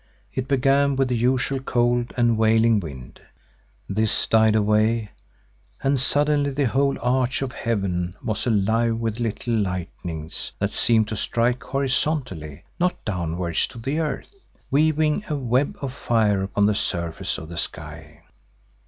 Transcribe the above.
It began with the usual cold and wailing wind. This died away, and suddenly the whole arch of heaven was alive with little lightnings that seemed to strike horizontally, not downwards to the earth, weaving a web of fire upon the surface of the sky.